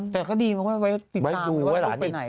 แต่ก็ดีว่าไว้ติดทางไว้ดูไว้หลานไหน